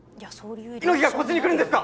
猪木がこっちに来るんですか？！